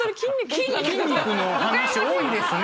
筋肉のお話多いですね。